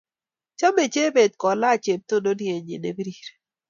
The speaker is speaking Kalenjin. Chame chebet kolachi cheptondorienyi ne pirir